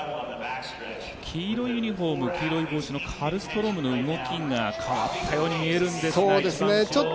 黄色いユニフォーム黄色い帽子のカルストロームの動きが変わったように見えるんですが。